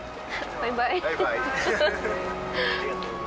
バイバイ。